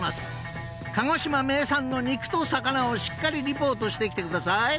［鹿児島名産の肉と魚をしっかりリポートしてきてください］